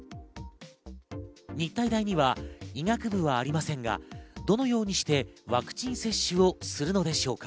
日体大には医学部はありませんがどのようにしてワクチン接種をするのでしょうか。